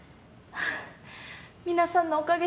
皆さんのおかげです。